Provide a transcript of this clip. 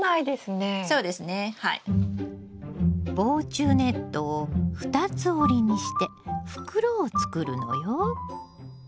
防虫ネットを２つ折りにして袋を作るのよ。